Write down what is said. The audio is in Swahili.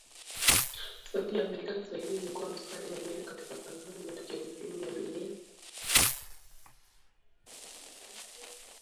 Sauti ya Amerika Swahili imekua mstari wa mbele katika kutangaza matukio muhimu ya dunia na yanayotokea kanda ya Afrika Mashariki na Kati katika kila nyanja.